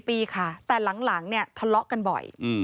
ปีค่ะแต่หลังเนี่ยทะเลาะกันบ่อย